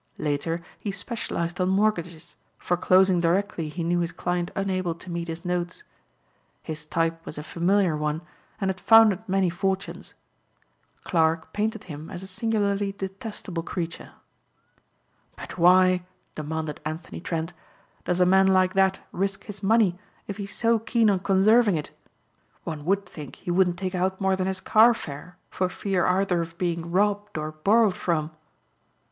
Later he specialized on mortgages, foreclosing directly he knew his client unable to meet his notes. His type was a familiar one and had founded many fortunes. Clarke painted him as a singularly detestable creature. "But why," demanded Anthony Trent, "does a man like that risk his money if he's so keen on conserving it? One would think he wouldn't take out more than his car fare for fearing either of being robbed or borrowed from."